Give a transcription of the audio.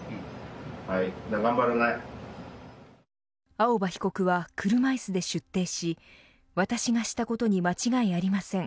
青葉被告は、車いすで出廷し私がしたことに間違いありません。